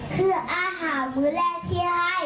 เพื่ออาหารมื้อแรกที่ให้